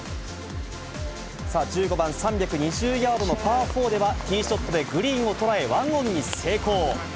さあ、１５番、３２０ヤードのパー４では、ティーショットでグリーンを捉え、１オンに成功。